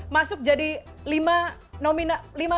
masuk jadi lima nominat